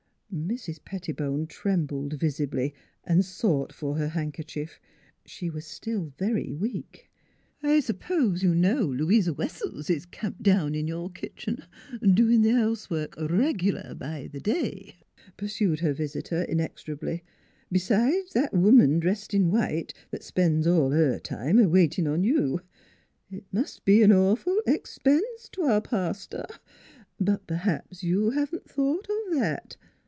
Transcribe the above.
Mrs. Pettibone trembled visibly and sought for her handkerchief. She was still very weak. " I suppose you know Louisa Wessells is camped down in your kitchen, doin' th' house work reg'lar b' th' day," pursued her visitor in exorably. " B'sides that woman drest in white that spen's all her time a waitin' on you. ... It mus' be a nawful expense t' our paster; but p'rhaps you haven't thought of that.